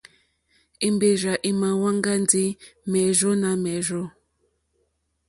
Èmbèrzà èmà hwánjá ndí mèrzó nà mèrzô.